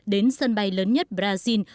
đến sân bay lớn nhất brazil